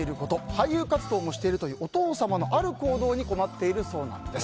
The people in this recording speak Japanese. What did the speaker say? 俳優活動もしているというお父様のある行動に困っているそうなんです。